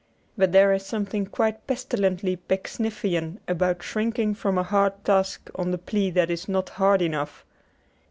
But there is something quite pestilently Pecksniffian about shrinking from a hard task on the plea that it is not hard enough.